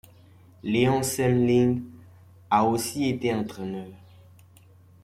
Léon Semmeling a aussi été entraîneur.